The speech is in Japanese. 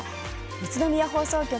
宇都宮放送局